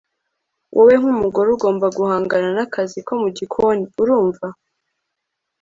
wowe nkumugore ugomba guhangana nakazi ko mugikoni. urumva